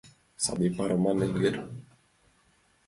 Саде пароман эҥер?